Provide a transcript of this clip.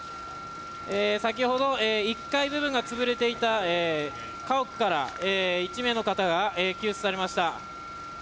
先ほど、１階部分が潰れていた家屋から１名の方が救出されました。